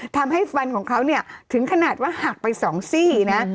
ทำให้ฟันของเขาเนี่ยถึงขนาดว่าหักไป๒ซี่นะ